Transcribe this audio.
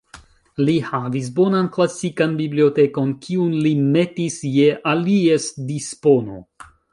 Li havis bonan klasikan bibliotekon, kiun li metis je alies dispono.